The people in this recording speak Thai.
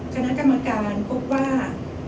คณะกรรมการพบว่า